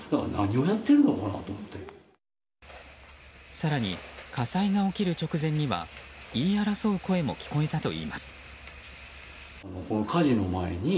更に、火災が起きる直前には言い争う声も聞こえたといいます。